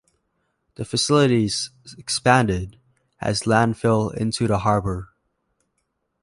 The facilities expanded as landfill into the harbour.